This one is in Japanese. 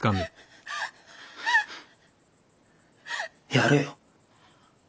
やれよ。